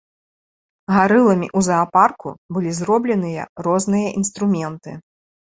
Гарыламі ў заапарку былі зробленыя розныя інструменты.